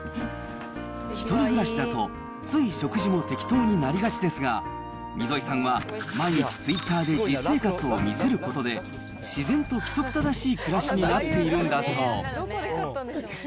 １人暮らしだと、つい食事も適当になりがちですが、溝井さんは毎日ツイッターで実生活を見せることで、自然と規則正しい暮らしになっているんだそう。